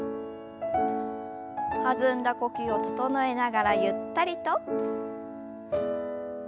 弾んだ呼吸を整えながらゆったりと。